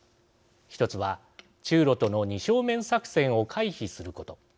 １つは、中ロとの二正面作戦を回避すること。